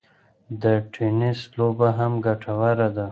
د ټینېس لوبه هم ګټوره ده.